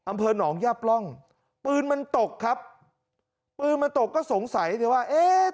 อำเภอหนองย่าปล่องปืนมันตกครับปืนมันตกก็สงสัยเลยว่าเอ๊ะ